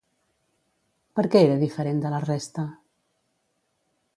Per què era diferent de la resta?